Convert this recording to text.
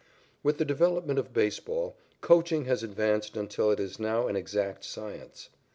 With the development of baseball, coaching has advanced until it is now an exact science.